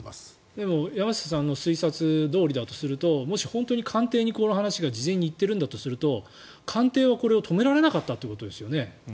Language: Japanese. でも山下さんの推察どおりだとするともし本当に官邸にこの話が事前に行っているんだとすると官邸はこれを止められなかったということですよね。